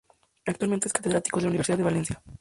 Actualmente es catedrático de la Universidad de Valencia.